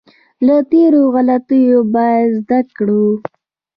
له تېرو غلطیو باید زده کړو.